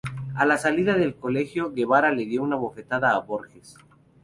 A la salida del colegio, Guevara le dio una bofetada a Borges.